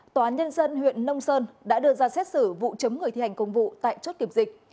tòa án nhân dân huyện nông sơn đã đưa ra xét xử vụ chấm người thi hành công vụ tại chốt kiểm dịch